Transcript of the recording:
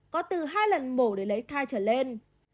có từ hai lần mổ để lấy thai trở lên